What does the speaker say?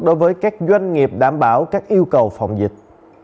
đối với các doanh nghiệp đảm bảo các yêu cầu phòng dịch